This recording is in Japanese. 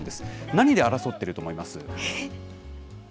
何で争っていると思います？